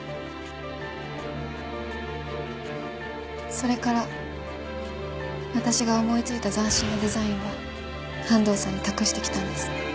それから私が思いついた斬新なデザインは安藤さんに託してきたんです。